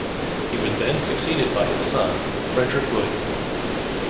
He was then succeeded by his son, Frederick William.